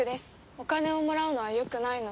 お金をもらうのはよくないので。